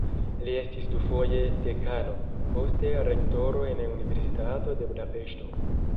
Li estis dufoje dekano, poste rektoro en Universitato de Budapeŝto.